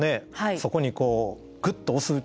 そこにこうグッと押す力。